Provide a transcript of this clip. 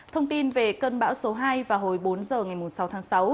thông tin về cơn bão số hai vào hồi bốn giờ ngày sáu tháng sáu